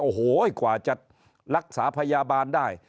โอ้โหกว่าจะรักษาพยาบาลได้